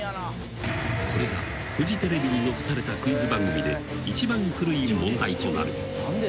［これがフジテレビに残されたクイズ番組で一番古い問題となる］